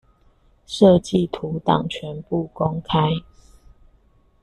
設計圖檔全部公開